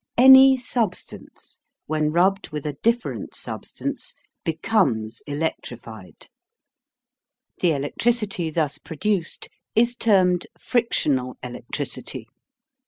ANY SUBSTANCE, WHEN RUBBED WITH A DIFFERENT SUBSTANCE, BECOMES ELECTRIFIED. The electricity thus produced is termed frictional electricity.